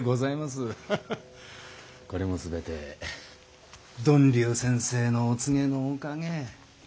これもすべて呑龍先生のお告げのおかげ。